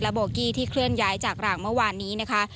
และโบรกิที่เคลื่อนย้ายจากรางเมื่อวานนี้นะคะ